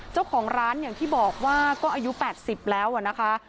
เจ้าของร้านอย่างที่บอกว่าก็อายุ๘๐แล้วนะคะ